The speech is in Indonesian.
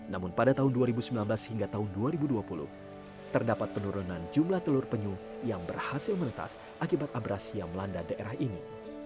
namun pada tahun dua ribu sembilan belas hingga tahun dua ribu dua puluh terdapat penurunan jumlah telur penyu yang berhasil menetas akibat abrasi yang melanda daerah ini